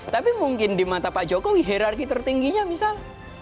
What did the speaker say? tapi mungkin di mata pak jokowi hirarki tertingginya misal